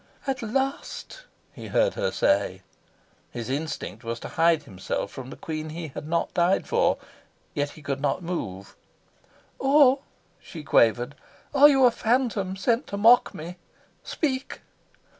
"At last!" he heard her say. His instinct was to hide himself from the queen he had not died for. Yet he could not move. "Or," she quavered, "are you a phantom sent to mock me? Speak!"